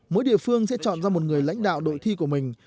mỗi địa phương sẽ chọn ra một người lãnh đạo đội thi của mình